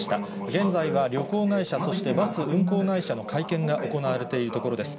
現在は旅行会社、そしてバス運行会社の会見が行われているところです。